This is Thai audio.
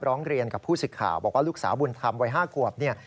ร้องเรียนกับผู้สิทธิ์ข่าวบอกว่าลูกสาวบุญธรรมวัย๕ขวบเนี่ย